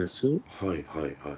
はいはいはい。